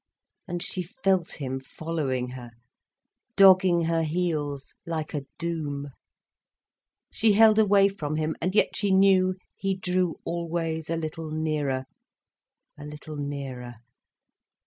And she felt him following her, dogging her heels like a doom. She held away from him, and yet she knew he drew always a little nearer, a little nearer.